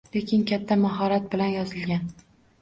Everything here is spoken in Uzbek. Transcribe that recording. Lekin katta mahorat bilan yozilgan